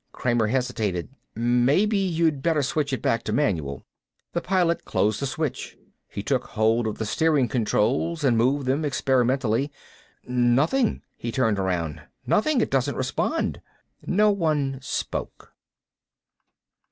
Kramer hesitated. "Maybe you better switch it back to manual." The Pilot closed the switch. He took hold of the steering controls and moved them experimentally. "Nothing." He turned around. "Nothing. It doesn't respond." No one spoke.